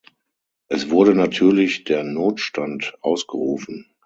Es wurde natürlich der Notstand ausgerufen.